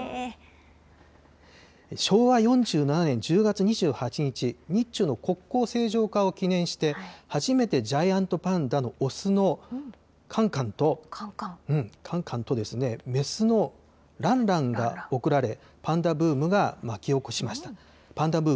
昭和４７年１０月２８日、日中の国交正常化を記念して、初めてジャイアントパンダの雄のカンカンと、カンカンとですね、雌のランランが贈られ、パンダブームを巻き起こしました。